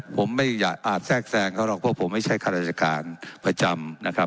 ผมไม่อาจแทกแทนเขาหรอกเพราะผมไม่ใช่การจักรประจำนะครับ